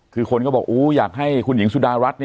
คือคนก็บอกอยากให้คุณหญิงสุดารัฐ